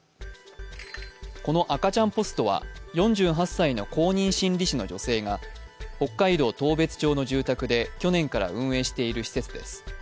この赤ちゃんポストは４８歳の公認心理師の女性が北海道当別町の住宅で去年から運営している施設です。